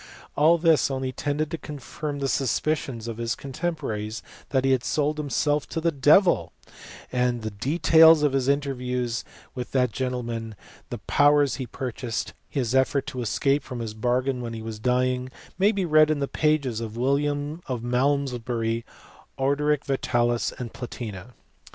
All this only tended to confirm the suspicions of his contemporaries that he had sold himself to the devil ; and the details of his interviews with that gentleman, the powers he purchased, and his effort to escape from his bargain when he was dying, may be read in the pages of William of Malrnesbury, Orderic Vitalis, and Platina.